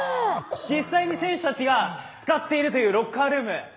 実際に選手たちが使っているというロッカールーム。